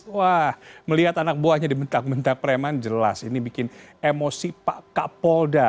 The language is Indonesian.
wah melihat anak buahnya dibentak mentah preman jelas ini bikin emosi pak kapolda